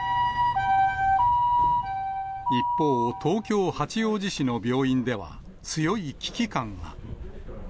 一方、東京・八王子市の病院では強い危機感が。